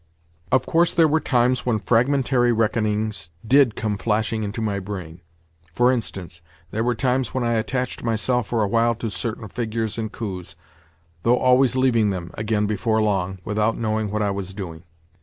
Of course there were times when fragmentary reckonings did come flashing into my brain. For instance, there were times when I attached myself for a while to certain figures and coups—though always leaving them, again before long, without knowing what I was doing.